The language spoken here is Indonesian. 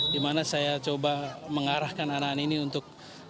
di mana saya coba mengarahkan anak anak ini untuk